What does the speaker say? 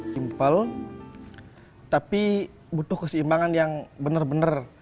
simple tapi butuh keseimbangan yang benar benar